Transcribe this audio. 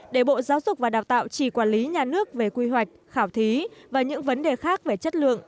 để bộ giáo dục và đào tạo chỉ quản lý nhà nước về quy hoạch khảo thí và những vấn đề khác về chất lượng